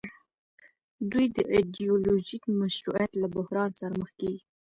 دوی د ایډیولوژیک مشروعیت له بحران سره مخ کیږي.